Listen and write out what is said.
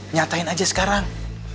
nyatain aja sekarang